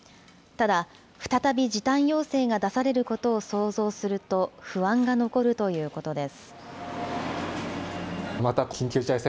ただ、再び時短要請が出されることを想像すると、不安が残るということです。